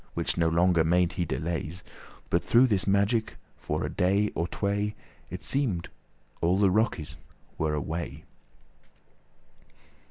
For which no longer made he delays; But through his magic, for a day or tway, <21> It seemed all the rockes were away.